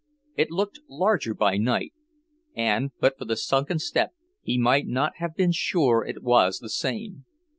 It looked larger by night, and but for the sunken step, he might not have been sure it was the same.